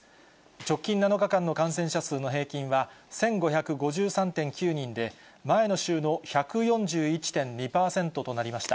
直近７日間の感染者数の平均は１５５３．９人で、前の週の１４１．２％となりました。